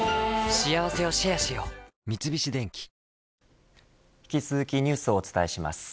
三菱電機引き続きニュースをお伝えします。